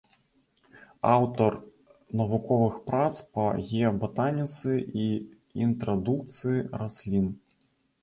Аўтар навуковых прац па геабатаніцы і інтрадукцыі раслін.